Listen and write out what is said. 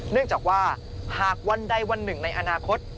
เนื่องจากว่าหากวันใดวันหนึ่งในอนาคต